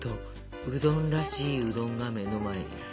うどんらしいうどんが目の前に。